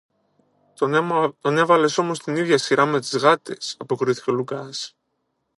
Τον έβαλες όμως στην ίδια σειρά με τις γάτες, αποκρίθηκε ο Λουκάς.